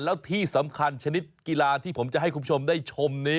แล้วที่สำคัญชนิดกีฬาที่ผมจะให้คุณผู้ชมได้ชมนี้